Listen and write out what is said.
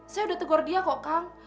saya udah tegur dia kok kang